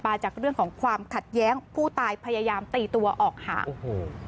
จากเรื่องของความขัดแย้งผู้ตายพยายามตีตัวออกห่างโอ้โห